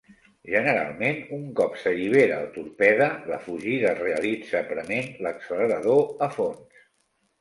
Generalment, un cop s'allibera el torpede la fugida es realitza prement l'accelerador a fons.